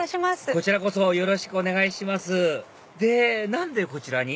こちらこそよろしくお願いしますで何でこちらに？